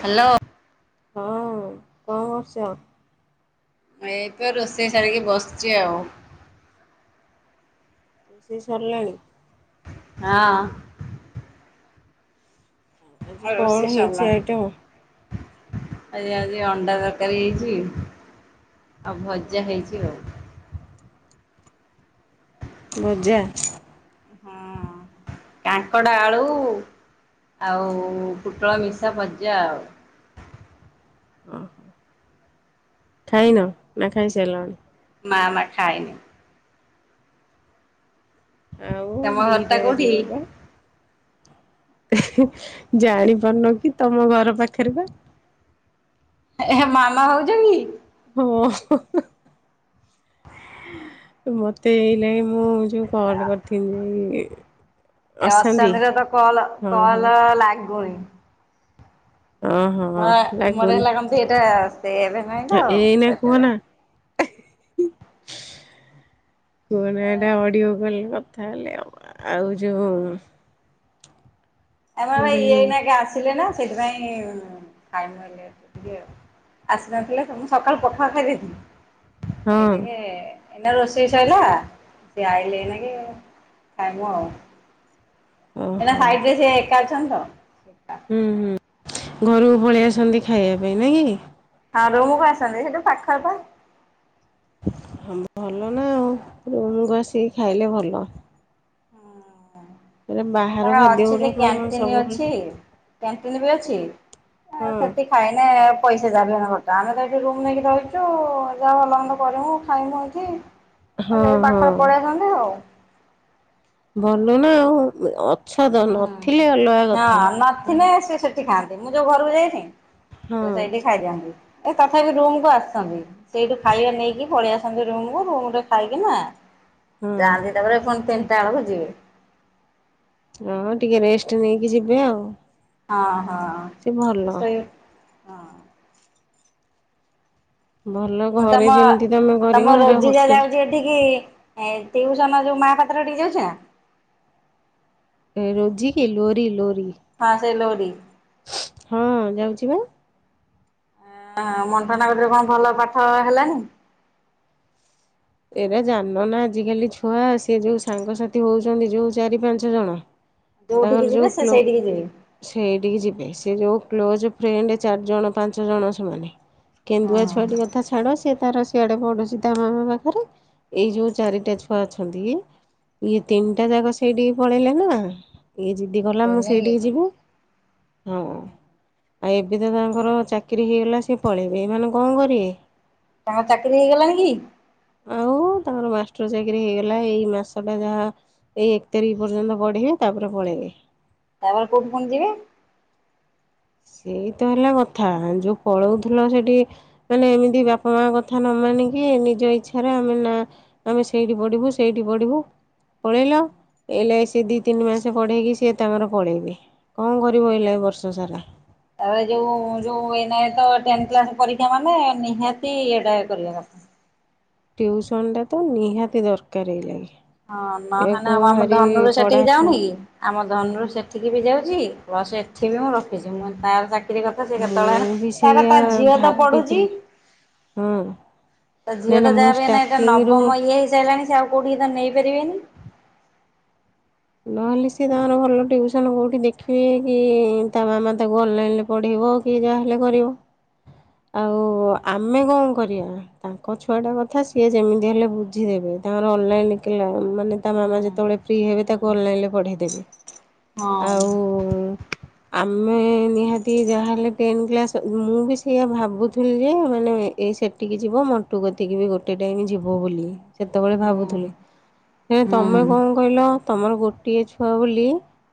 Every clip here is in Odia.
ହ୍ୟାଲୋ। ହଁ କଣ କରୁଛ? ଏଇପା ରୋଷେଇ ସାରିକି ବସିଛି ଆଉ। ରୋଷେଇ ସରିଲାଣି? ହଁ। ଆଜି ଆଉ ରୋଷେଇ କଣ ସରିଲା। ହେଇଛି ଆଇଟମ୍? ଆଜି ଆଜି ଅଣ୍ଡା ତରକାରୀ ହେଇଛି ଆଉ ଭଜା ହେଇଛି ଆଉ। ଭ? ହଁ କାଙ୍କଡ ଆଳୁ ଆଉ ପୋଟଳ ମିଶା ଭଜା ଆଉ। ଓହୋ ଖାଇନ ନା ଖାଇ ସାରିଲାଣି? ନା ନା ଖାଇନୀ। ଆଉ ତମ ଘରଟା ଦିଟା କୋଉଠି? ବାଜିବା ପା। ଜାଣିପାରୁନ କି ତମ ଘର ପାଖରେ ପା। ଏ ହେ ମାମା ଭାଉଜ କି? ହଁ। [inaudible] ମତେ ଏଇ ଲଗି ମୁଁ ଯୋଉ କଲ କରିି ଥିଲି। ଏ ଅଶାନ୍ତିର ତ କଲ ହଁ କଲ ଲାଗୁନି। ଓହୋ ମ ମୋର ଲାଗୁନି ହେଲା କଣ ସେଇଟା ସେଭ ନାହିଁ ତ ଏଇନା କୁହନା ସେଥିପାଇଁ। [inaudible] କୁହନା ଏଟା ଅଡ଼ିଓ କଲରେ କଥା ହେଲେ ଆଉ ଆଉ ଯୋଉ ମୁଁ ଆମର ଇଏ କହିଲି ଏଇନକା ଆସିଲେ ନା ସେଥିପାଇଁ [unintelligible] ଟିକେ ଆସିନଥିଲେ ତ ମୁଁ ସକାଳୁ ପଖାଳ ହଁ ଖାଇଦେଇଥିଲି ଏଇନାକେ ଏଇନା ରୋଷେଇ ସରିଲା ସିଏ ଆଇଲେ ଏଇନାକେ ଖାଇମୁ ଆଉ। ଏଇନା ଓହୋ ସାଇଟ୍ ରେ ସେ ଏକା ଅଛନ୍ତି ତ। ହୁଁ ହୁଁ ଘରୁକୁ ପଳେଇ ଆସନ୍ତି ଖାଇବା ପାଇଁ ନା କି? ହଁ ରୁମୁକୁ ଆସନ୍ତି ସେଠୁ ପାଖ ପା। ଭଲ ନା ଆଉ ରୁମୁ କୁ ଆସିକି ଖାଇଲେ ଭଲ। ଏରା ବାହାର ତାର ଖାଦ୍ୟ ଅଛି ଗୁଡା ଯେ କଣ କ୍ୟାଣ୍ଟିନ ସବୁବେଳେ ଅଛି କ୍ୟାଣ୍ଟିନ ବି ଅଛି। ଆଉ ହଁ। ସେଠି ଖାଇନେ ପଇସା ଯାହା ବି ହନେ ଖର୍ଚ୍ଚ ଆମେ ତ ଏଇଠି ରୁମ୍ ନେଇକି ରହିଛୁ ଯାହା ଭଲ ମନ୍ଦ କରିମୁ ଖାଇମୁ ହଁ ସେ ହଁ ପାଖରେ ପଳେଇ ଆସନ୍ତି ଆଉ। ଭଲ ନା ଆଉ ଅଛ ତ ହୁଁ ନଥିଲେ ଅଲଗା କଥା। ହଁ ନଥିଲେ ସେ ସେଠି ଖାଆନ୍ତି ମୁଁ ଯୋଉ ଘରକୁ ଯାଇନି ସେ ହଁ ସେଇଠି ଖାଇଦିଆନ୍ତି ଏ ତଥାପି ରୁମ କୁ ଆସନ୍ତି। ସେଇଠୁ ଖାଇବା ନେଇକି ପଳେଇ ଆସନ୍ତି ରୁମକୁ ରୁମ ରେ ଖାଇକି ନା ହଁ ଯାଆନ୍ତି ତାପରେ ପୁଣି ତିନିଟା ବେଳକୁ ଯିବେ। ହଁ ଟିକେ ରେଷ୍ଟ ନେଇକି ଯିବେ ଆଉ। ହଁ ହଁ। ତି ଭଲ ଶୋଇ ହଁ ଭଲ ମୁଁ ଘରେ ତମ ଯେମିତି ତମେ କରିବ ତମ ହେରା ରୋଜିନା ହୋଟେଲ ଯାଉଛି ହେ ଠିକି ଏ ଟିଉସନ ଯୋଉ ମା ପାତ୍ର ଟିକେ ଯାଉଛି ନା? ରୋଜି କି ଲୋରି ଲୋରି। ହଁ ସେଇ ଲୋରି। ହଁ ଯାଉଛି ବା। ହ ମଣ୍ଟନଗରରେ କଣ ଭଲ ପାଠ ହେଲାଣି? ଏଇରା ଜାଣ ନା ଆଜିକାଲି ଛୁଆ ସେ ଯୋଉ ସାଙ୍ଗସାଥି ହଉଛନ୍ତି ଯୋଉ ଚାରି ପାଞ୍ଚ ଜଣ [inaudible] ତାଙ୍କର ଯିବେ ଯଉ ସେ କ୍ଲୋ ସେଇଠିକି ଯିବେ ସେଇଠିକି ଯିବେ ସେ ଯୋଉ କ୍ଲୋଜ ଫ୍ରେଣ୍ଡ ଚାରିଜଣ ପାଞ୍ଚ ଜଣ ସେମାନେ କେନ୍ଦୁଆ ହଁ ଛୁଆଟି କଥା ଛାଡ଼ ସିଏ ତାର ସିଆଡ଼େ ପଢୁଛି ତା ମାମା ପା ଖରେ ଏଇ ଯୋଉଁ ଚାରିଟା ଛୁଆ ଅଛନ୍ତି। ଇଏ ତିନିଟା ଯାକ ସେଇଠିକି ପଳେଇଲେ ନା ଇଏ ଯିଦି ଗଲା ମୁଁ ସେଇଥିପାଇଁ ଇଏ ସେଇଠିକି କର ଯିବୁ ହଁ। ଆଉ ଏବେ ତ ତାଙ୍କର ଚାକିରି ହେଇଗଲା ସିଏ ପଳେଇବେ ଏମାନେ କଣ କରିବେ? ତାଙ୍କର ଚାକିରି ହେଇଗଲାଣି କି? ଆଉ [inaudible] ତାଙ୍କର ମାଷ୍ଟର ଚାକିରି ହେଇଗଲା ଏଇ ମାସଟା ଯାହା ଏଇ ଏକ ତାରିଖ ପର୍ଯ୍ୟନ୍ତ ପଢ଼ିବେ ତାପରେ ପଳେଇବେ। ତାପରେ କୋଉଠି ପୁଣି ଯିବେ? ସେଇ ତ ହେଲା କଥା ଯୋଉ ପଳଉଥିଲ ସେଠି ମାନେ ଏମିତି ବାପା ମା କଥା ନ ମାନିକି ନିଜ ଇଚ୍ଛାରେ ଆମେ ନା ଆମେ ସେଇଠି ପଢ଼ିବୁ ସେଇଠି ପଢ଼ିବୁ। ପଳେଇଲ ହେଲେ ସେ ଦି ତିନି ମାସ ପଢେଇକି ସିଏ ତାଙ୍କର ପଳେଇବେ। କଣ କରିବ ଏଇଲେ ଏ ବର୍ଷ ସାରା? ତା ଯୋଉ ଯୋଉ ଏ ନଁ ତ ଟେନ୍ ପରୀକ୍ଷା ମାନେ ନିହାତି ଏଟା କରିବା କଥା। ଟଟିଉସନ ଟା ତ ନିହାତି ଦରକାର ଏଇଲାଗି। ହଁ ଏ ନହେଲେ ଆଉ କୋଉ ଆମ ଭାରି ଧନୁରୁ ପଢ଼ା ସେଠିକି ଛୁଆ ଯାଉନି କି। ଆମ ଧନୁରୁ ସେଠିକି ବି ଯାଉଛି ପ୍ଲସ ଏଠି ବି ମୁଁ ରଖିଛି ମୁଁ ତାର କଥା ସେ କେତେବେଳେ ହେଲା ମୁଁ ବି ତାପ ସେଇଆ ତା ଝିଅ ତ ପଢୁଛି ଭାବିଥିଲି ହଁ। ତା ନା ଝିଅ ତ ମୁଁ ଯାହା ବି ନା ଏଟା ଷ୍ଟାର୍ଟିଂରୁୁ ନବମ ଇଏ ହେଇସାରିଲାଣି ସେ ଆଉ କଉଠି ତ ନେଇପାରିବେନି। ନହେଲେ ସି ତଙ୍କର ଭଲ ଟ୍ୟୁସନ୍ କେଉଁଠି ଦେଖି ହଏ କି ତା ମାମା ତାକୁ ଅନଲାଇନରେ ପଢ଼ିବ କି ଯାହାହେଲେ କରିବ। ଆଉ ଆମେ କଣ କରିବା? ତାଙ୍କ ଛୁଆଟା କଥା ସିଏ ଯେମିତି ହେଲେ ବୁଝିଦେବେ। ତାଙ୍କର ଅନଲାଇନ କିଳା ମାନେ ତା ହଁ ମାମା ଯେତେବେଳେ ଫ୍ରି ହେବେ ତାକୁ ହଁ ଅନଲାଇନ ରେ ପ ଦେବି ଆଉ ହଁ ଆମେ ନିହାତି ଯାହାହେଲେ ଟେନ୍ କ୍ଲାସ୍ ମୁଁ ବି ସେଇଆ ଭାବୁଥିଲି ଯେ ମାନେ ଏଇ ସେ ଠିକି ଯିବ ମଣ୍ଟୁ କତିକି ବି ଗୋଟେ ଟାଇମ୍ ଯିବ ବୋଲି ସେତେବେଳେ ଭାବୁଥିଲି। [inaudible] ହେ ତମେ କଣ କହିଲ ତମର ଗୋଟିଏ ଛୁଆ ବୋଲି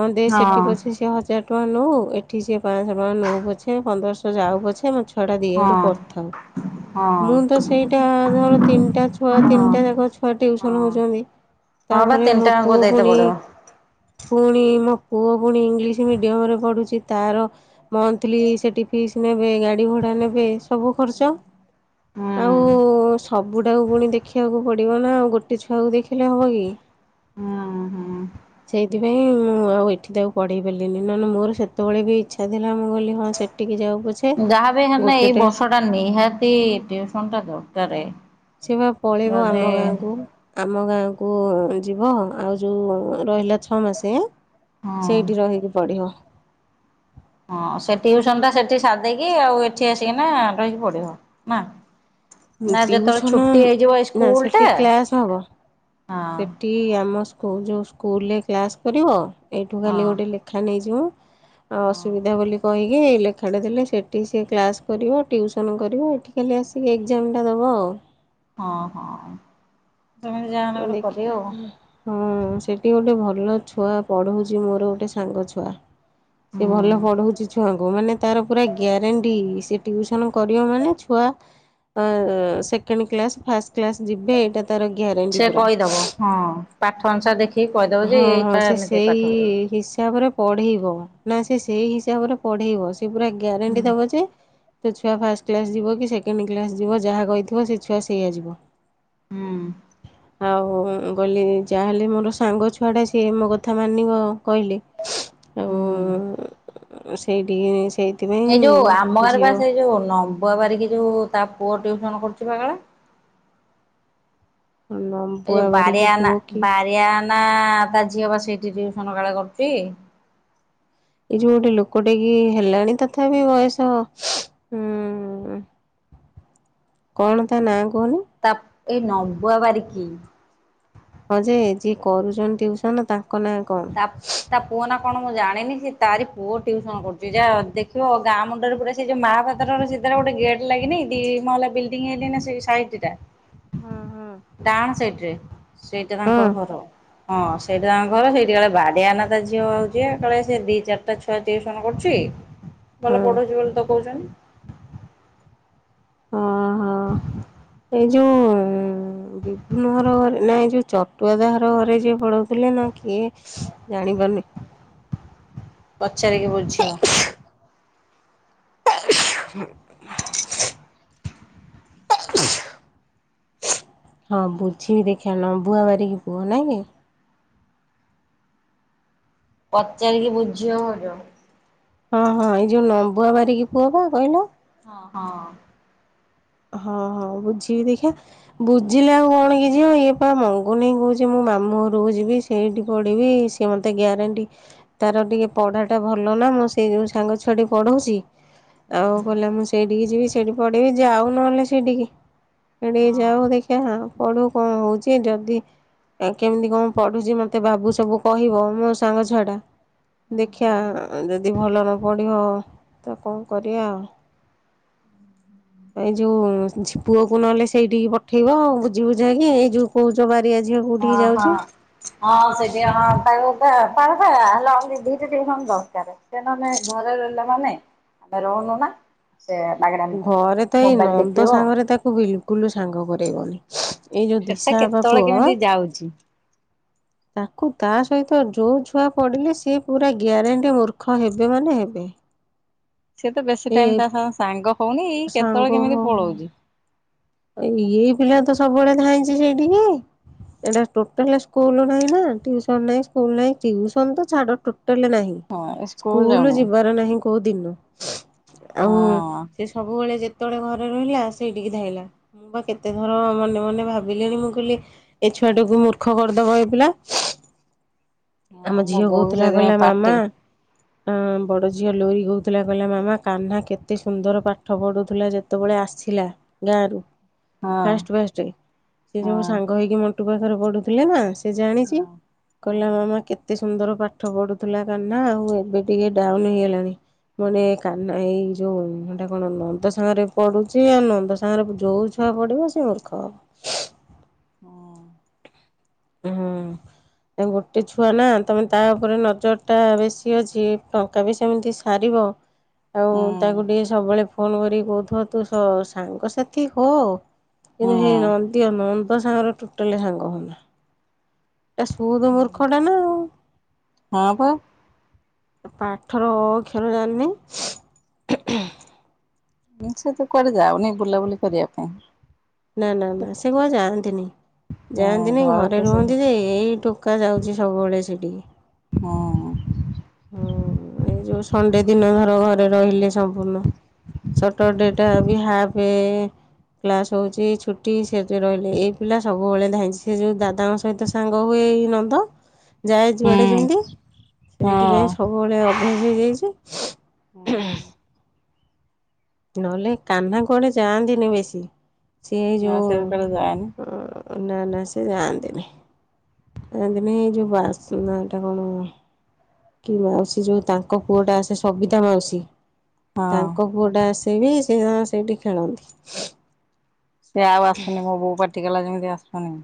ହଁ ଦେ ସେଠି ପଛେ ସେ ହଜାର ଟଙ୍କା ନଉ ଏଠି ସିଏ ପାଁସ ଟଙ୍କା ନଉ ପଛେ ପନ୍ଦରଶ ଯାଉ ପଛେ ମ ଛୁ ଛଟା ହଁ ଦିଆଡୁ କରୁଥାଉ ହଁ। ମୁଁ ତ ସେଇଟା ଧର ତିନିଟା ଛୁଆ ତିନିଟା ହଁ। ଯାକ ଛୁଆ ଟିଉସନ୍ ହଁ ହଉଚନ୍ତି। ହଁ ବା ତିନିଟା ଆଙ୍କୁ ଦେଇଦେ ପଡିବ। ପୁଣି ମୋ ପୁଅ ପୁଣି ଇଂଲିଶ ମିଡିୟମ ରେ ପଢୁଛି ତାର ମନ୍ଥଲି ସେଠି ଫିସ୍ ନେବେ ଗାଡ଼ି ଭଡ଼ା ନେବେ ସବୁ ଖର୍ଚ୍ଚ। ହୁଁ ଆଉ ସବୁଟାକୁ ପୁଣି ଦେଖିବାକୁ ପଡ଼ିବ ନା ଆଉ ଗୋଟେ ଛୁଆକୁ ଦେଖିଲେ ହବ ଗି। ହୁଁ ହୁଁ। ସେଇଥିପାଇଁ ମୁଁ ଆଉ ଏଠି ତାକୁ ପଢ଼େଇ ପାରିଲିନି ନହେଲେ ମୋର ସେତେବେଳେ ବି ଇଚ୍ଛା ଥିଲା ମୁଁ କହିଲି ହଁ ସେଠ ଟିକେ ଯାଉ ପଛେ ଯାହା ବି ହେଲେ ଏଇ ଗୋଟେଟେ ବର୍ଷ ଟା ନିହାତି ଟିଉସନ ଟା ଦରକାରେ। ସେ ବା ପଳେଇବ ଯଦି ଆମ ଗାଁକୁ। ଆମ ଗାଁକୁ ଯିବ ଆଉ ଯୋଉ ରହିଲା ଛଅ ମାସେ ହଁ ସେଇଠି ରହିକି ପଢିବ। ହଁ ସେ ଟିଉସନ ଟା ସେଠି ସାରଦେଇକି ଆଉ ଏଠି ଆସିକିନା ରହିକି ପଢିବ ନା। ନା ଯେତେବେଳେ ଟିଉସନ ଛୁଟି ହେଇଯିବ ଏଇ ନା ସ୍କୁଲ ଟା ସେଠି ହଁ। କି ଆମ ସ୍କୁଲ ଯୋଉ ସ୍କୁଲରେ କ୍ଲାସ କରିବ ଏଇଠୁ ଖାଲି ହଁ। ଗୋଟେ ଲେଖା ନେଇଯିବ ଆ ହଁ ଅସୁବିଧା ବୋଲି। କହିକି ଏଇ ଲେଖାଟେ ଦେଲେ ସେଠି ସେ କ୍ଲାସ କରିବ ଟିଉସନ କରିବ ଏଇଠି ଖାଲି ଆସିକି ଜେମଟା ଦବ ଆଉ। ହଁ, ହଁ ତମେତ ଯାଅନା ଗୋଟେ କବି ହବୁ। ହୁଁ ସେଠି ଗୋଟେ ଭଲ ଛୁଆ ପଢଉଛି ମୋର ଗୋଟେ ସାଙ୍ଗ ଛୁଆ। ସେ ଭଲ ପଢଉଛି ଛୁଆଙ୍କୁ ମାନେ ତାର ପୁରା ଗ୍ୟାରେଣ୍ଟି ସେ ଟିଉସନ କରିବ ମାନେ ଛୁଆ ଅ ସେକେଣ୍ଡ କ୍ଲାସ ଫାଷ୍ଟ କ୍ଲାସ ଯିବେ ଏଇଟା ତାର ଗିଆ ସେ କହିଦବ ହଁ ପାଠ ଅନୁସାରେ ଦେଖି ହଁ, ହଁ ସେ ସେଇ ହିସାବରେ ପଢେଇବ ନା ସେ ସେଇ ହିସାବରେ ପଢେଇବ ସେ ପୁରା ହୁଁ ଗ୍ୟାରେଣ୍ଟି ଦବ ଯେ ସେ ଛୁଆ ଫାଷ୍ଟ କ୍ଲାସ୍ ଯିବ କି ସେକେଣ୍ଡ କ୍ଲାସ୍ ଯିବ ଯାହା କହିଥିବ ସେ ଛୁଆ ସେଇଆ ଯିବ। ହୁଁ। ଆଉ ଗଲି ଯାହାହେଲେ ମୋର ସାଙ୍ଗ ଛୁଆଟା ସିଏ ମୋ କଥା ମାନିବ। କହିଲି ଆଉ ହୁଁ। ସେଇଠିକି ସେଇ ଏଇ ଯୋଉ ଆମ ଗାଁ ରେ ପା ସେ ଯୋଉ ନମ୍ବ ବାରିକି ଯୋଉ ତା ପୁଅ ଟ୍ୟଉସନ କରୁଛି ପା କା ଲେ? ଲମ୍ବ ଏ ଯୋଉ ବାରିଆ ନା ବାରିଆ ନା ତା ଝିଅ ବା ସେଇଠି ଟିଉସନ କାଳେ କରୁଛି। ଏଇ ଯୋଉ ଗୋଟେ ଲୋକଟେ କି ହେଲାଣି ତଥାପି ବୟସ ଉଁ କଣ ତା ନାଁ କୁହନି? ତା ଏ ନମ୍ବୁଆ ବାରିକି। ହଁ ଯେ ଯିଏ କରୁଛନ୍ତି ଟିଉସନ ତାଙ୍କ ନାଁ କଁ? ତା ତା ପୁଅ ନା କଣ ମୁଁ ଜାଣିନି ସେ ତାରି ପୁଅ ଟିଉସନ କରୁଛି ଯାଅ ଦେଖିବ ଗାଁ ମୁଣ୍ଡରେ ପୁରା ସେ ଯଉ ମାହାପାତ୍ର ର ସିଧାରେ ଗୋଟେ ଗେଟ୍ ଲାଗନି ଦି ମହଲା ବିଲଡିଂ ହେଇନି ନା ସାଇଟି ଟା। ହୁଁ, ହୁଁ। ଡାହାଣ ସାଇଟ୍ ରେ ସେଇଟା ହଁ ତାଙ୍କ ଘର ହଁ ସେଇଟା ତାଙ୍କ ଘର ସେଇ କି କାଳେ ବାଡ଼ିଆ ନା ତା ଝିଅ ହଉଛି ଆ କାଳେ ସିଏ ଦି ଚାରିଟା ଛୁଆ ଟିଉସନ କରୁଛି। ହଁ ଭଲ ହଁ ପଢ଼ଉଛି ବୋଲି ତ କହୁଛନ୍ତି। ଅ, ହଁ, ଏଇ ଯୋଉ ଉଁ। ବିଭୁନ୍ନ ଘର ଘରେ ନା ଏ ଯୋଉ ଚଟୁଆଦା ଘର ଘରେ ଯିଏ ପଢ଼ଉଥିଲେ ନା କିଏ ଜାଣିପାରୁନି। ପଚାରିକି ବୁଝିବ। ହୁଁ। [unintelligible] ହଁ ବୁଝିବି ଦେଖିବା ନମ୍ବୁଆ ବାରିକି ପୁଅ ନାଁ କି? ପଚାରିକି ବୁଝିବ ଭାଉଜ। ହଁ ହଁ ଏଇ ଯୋଉ ନମ୍ବୁଆ ବାରିକି ପୁଅ ପା କହିଲ। ହଁ ହଁ। ହଁ ହଁ ବୁଝିବି ଦେଖିବା ବୁଝିଲେ ଆଉ କଣ କି ଝିଅ ଇଏ ପା ମଙ୍ଗୁ ନେଇଁ କହୁଛି ମୁଁ ମାମୁଁ ଘରୁକୁ ଯିବି। ଏଇଠି ପଢ଼ିବି ସିଏ ମୋତେ ଗ୍ୟାରେଣ୍ଟି ତାର ଟିକେ ପଢ଼ାଟା ଭଲ ନା ମୁଁ ସେଇ ଯୋଉ ସାଙ୍ଗ ଛୁଆଟି ପଢ଼ଉଛି ଆଉ କହିଲା ମୁଁ ସେଇଠିକି ଯିବି ସେଠି ପଢ଼ିବି ଯାଉ ନହେଲେ ସେଇଠିକି। ହଁ ହେଇଠିକି ଯାଉ ଦେଖିବା ପଢ଼ୁ କଣ ହଉଛି ଯଦି ଏ କେମିତି କଣ ପଢ଼ୁଛି ମୋତେ ବାବୁ ସବୁ କହିବ ମୋ ସାଙ୍ଗ ଛୁଆଟା। ଦେଖିଆ ଅ ଯଦି ଭଲ ନ ପଢ଼ିବ ତ କଣ କରିବା ଆଉ। ଏଇ ଯୋଉ ଝି ପୁଅକୁ ନହେଲେ ସେଇଠିକି ପଠେଇବି ବୁଝି ବୁଝାକି ଏଇ ଯୋଉ କହୁଛ ବାରିଆ ଝିଅକୁ ହଁ ହଁ। ହଁ ସେଠି ହଁ ତାକୁ ପା ତାକୁ ପା ହେଲା ଦିଟା ଟିଉସନ ଦରକାରେ। ସେ ନହେଲେ ଘରେ ରହିଲା ମାନେ ଆମେ ରହୁନୁ ନା ସେ ମାଗେଣା ଘରେ ତ ଏଇ ନନ୍ଦ ସାଙ୍ଗରେ ତାକୁ ବିଲକୁଲ ସାଙ୍ଗ କରେଇବନି। ଏଇ ଯୋଉ ସେଟା ଦିଶା ବାବା କେତେବେଳେ ପୁଅ କେମିତି ଯାଉଛି। ତାକୁ ତା ସହିତ ଯୋଉ ଛୁଆ ପଡ଼ିଲେ ସେ ପୁରା ଗ୍ୟାରେଣ୍ଟି ମୂର୍ଖ ହେବେ ମାନେ ହେବେ। ସେତ ବେଶୀ ଟାଇମ୍ ଏଇ ତା ସହ ସାଙ୍ଗ ହଉନି କେତେବେଳେ କେମିତି ପଳଉଛି। ଅ ଏଇ ପିଲା ତ ସବୁବେଳେ ଧାଇଁଛି ସେଇଠିକି। ଏଟା ଟୋଟାଲେ ସ୍କୁଲୁ ନାହିଁନା ଟିଉସନ ନାହିଁ ସ୍କୁଲ ନାହିଁ ଟିଉସନ ତ ଛାଡ଼ ଟୋଟାଲେ ନାହିଁ। ହଁ ସ୍କୁଲ ସ୍କୁଲୁ ଯାଉନି ଯିବାର ନାହିଁ କୋ କୋଉ ଦିନ ଆଉ ହଁ। ସେ ସବୁବେଳେ ଯେତେବେଳେ ଘରେ ରହିଲା ସେଇଠିକି ଧାଇଁଲା। ମୁଁ ବା କେତେଥର ମନେ ମନେ ଭାବିଲିଣି ମୁଁ କହିଲି ଏ ଛୁଆଟାକୁୁ ମୂର୍ଖ କରିଦବ ଏ ପିଲା। ଆମ ହଁ ମୋ ଝିଅ ବୋଉ କହୁଥିଲା କିହିଲ ସେଥିପାଇଁ ମାମା ପାଟି ଆଁ ବଡ଼ ଝିଅ ଲୋରି କହୁଥିଲା କହିଲା ମାମା କାହ୍ନା କେତେ ସୁନ୍ଦର ପାଠ ପଢ଼ୁଥିଲା ଯେତେବେଳେ ଆସିଲା। ଗାଁରୁ ହଁ ଫାଷ୍ଟ ଫାଷ୍ଟେ ସେ ସବୁ ହଁ ସାଙ୍ଗ ହେଇକି ମଣ୍ଟୁ ପାଖରେ ପଢ଼ୁଥିଲେ ନା। ସେ ଜାଣିଛି ହଁ। କହିଲା ହଁ ମାମା କେତେ ସୁନ୍ଦର ପାଠ ପଢ଼ୁଥିଲା କାହ୍ନା ଆଉ ଏବେ ଟିକେ ଡାଉନ୍ ହେଇଗଲାଣି। ମାନେ କାହ୍ନା ଏଇ ଯୋଉ ଏଟା କଣ ନନ୍ଦ ସାଙ୍ଗରେ ପଡୁଛି ଆଉ ନନ୍ଦ ସାଙ୍ଗରେ ଯଉଛି। ଥା ପଡ଼ିବ ସେ ମୁର୍ଖ ହେବ। ହଁ। ହୁଁ ଗୋଟେ ଛୁଆ ନା ତମେ ତା ଉପରେ ନଜର ଟା ବେଶୀ ଅଛି ଟକ୍ ତାବି ସେମିତି ସାରିବ। ଆଉ ତାକୁ ହଁ ଟିକେ ସବୁବେଳେ ଫୋନ କରିକି କହୁଥିବ ତୁ ସାଙ୍ଗସାଥି ହ କିନ୍ତୁ ହେଇ ହଁ। ନାହାଁନ୍ତି ନନ୍ଦ ସାଙ୍ଗରେ ଟୋଟାଲି ସାଙ୍ଗ ହନା। ଏ ସୁଦ ମୂର୍ଖ ଟା ନା ଆଉ। ହଁ ପା। ପାଠର ଅ ଅକ୍ଷର ଜାଣିନି। ସେ ତ କୁଆଡେ ଯାାଉନି ବୁଲାବୁଲି କରିବା ପାଇଁ। ନା ନା ନା ସେ କୁଆ ଯାଆନ୍ତିନି। ହଁ ଯାଆନ୍ତିନି ଘରେ ତ ସବୁ ରୁହନ୍ତି ଯେ ଏଇ ଟୋକା ଯାଉଛି ସବୁବେଳେ ସେଠିକି। ହଁ। ହଁ ଏଇ ଯୋଉ ସଣ୍ଡେ ଦିନ ଧର ଘରେ ରହିଲେ ସମ୍ପୂର୍ଣ୍ଣ। ସଟର ଡେ ଟା ବି ହାପେ ଏ କ୍ଲାସ ହଉଛି ଛୁଟି ସେ ରହିଲେ ଏଇ ପିଲା ସବୁବେଳେ ଧାଇଁଛି ସେ ଯୋଉ ଦାଦାଙ୍କ ସହିତ ସାଙ୍ଗ ହୁଏ ନନ୍ଦ ଯାଏ ହୁଁ ଯୁଆଡେ ଯେମିତି ହଁ। ସେଇଥିପାଇଁ ସବୁବେଳେ ଅଭ୍ୟାସ ହେଇଯାଇଛି। ହୁଁ ନହେଲେ କାହ୍ନା କୁଆଡ଼େ ଯାଆନ୍ତିନି ବେଶୀ ସେ ଆଉ ସେ କୁଆଡେ ଯାଏନି ଯୋଉ ନା ନା ସେ ଜାଆନ୍ତିନି। ଜାନ୍ତିନି ହେ ଯୋଉ ବାସ୍ନା ଟା କଣ କି ମାଉସୀ ଯୋଉ ତାଙ୍କ ପୁଅ ଟା ଆସେ ସବିତା ମାଉସୀ ହଁ। ତାଙ୍କ ପୁଅଟା ଆସେ ବି ସେରା ସେଇଠି ଖେଳନ୍ତି। ସେ ଆଉ ଆସୁନି ମୋ ବୋଉ ପାଟି କଲା ଯେମିତି ଆସୁନି।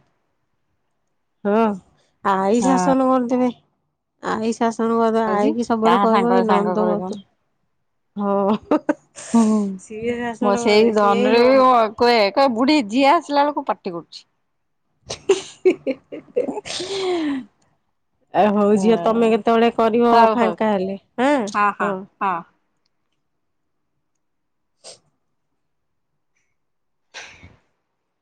ହଁ ଆଇ ଶାସନ କରିଦେବେ ଆଇ ଶାସନ କରିଦ ଯାଉଛି ଆଇକି ସବୁବେଳେ କାହା କହିବ ସାଙ୍ଗରେ ଏଇ ସାଙ୍ଗ ନନ୍ଦ କରେ କଣ ଭତ ହଁ ହୁଁ ହୁଁ ସିଏ ମ ଶାସନ କରିଦେବେ ସେଇ ସିଏ ଏଇ ଧନରେ ନ କୁହେ କୁହେ ବୁଢୀ ଯିଏ ଆସିଲା ବେଳକୁ ପାାର୍ଟି କରୁଛି। ହଁ ଆ ହଉ ଝିଅ ତମେ କେତେବେଳେ କରିବ ହଉ ହଉ ଫାଙ୍କା ହେଲେ ହଁା ହଁ। ହଁ।